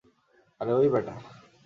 আর ঐ বেটা?